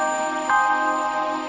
sampai jumpa lagi